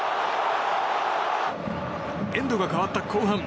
エンドが変わった後半。